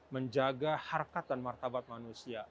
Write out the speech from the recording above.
menjaga harkat dan martabat manusia